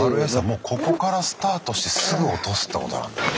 もうここからスタートしてすぐ落とすってことなんだ。